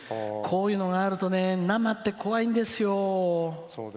こういうのがあるとね生って怖いんですよ。